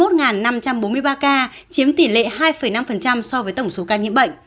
tổng số ca tử vong của việt nam là một năm trăm bốn mươi ba ca chiếm tỷ lệ hai năm so với tổng số ca nhiễm bệnh